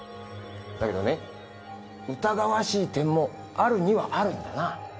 だけどね疑わしい点もあるにはあるんだな。